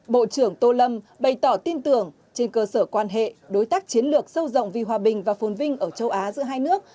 bộ trưởng tô lâm bày tỏ tin tưởng trên cơ sở quan hệ đối tác chiến lược sâu rộng vì hòa bình và phôn vinh ở châu á giữa hai nước